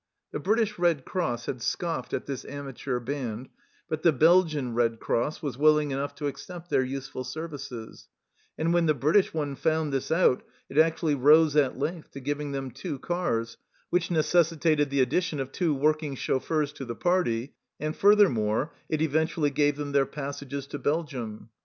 The British Red Cross had scoffed at this amateur band, but the Belgian Red Cross was willing enough to accept their useful services ; and when the British one found this out it actually rose at length to giving them two cars, which necessitated the addition of two work ing chauffeurs to the party, and furthermore it eventually gave them their passages to Belgium.